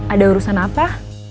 ada urusan apa